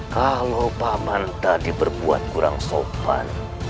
kalau paman tadi berbuat kurang sopan